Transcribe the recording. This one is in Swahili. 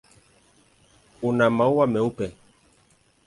Una maua meupe.